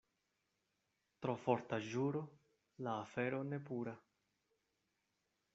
Tro forta ĵuro — la afero ne pura.